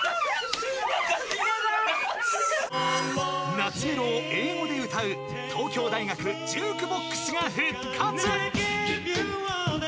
［懐メロを英語で歌う東京大学ジュークボックスが復活］